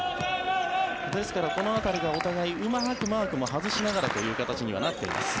ですからこの辺りがうまくお互いマークを外しながらということにもなっています。